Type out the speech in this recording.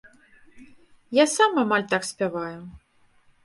Я сам амаль так спяваю.